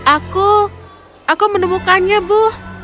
aku aku menemukannya bu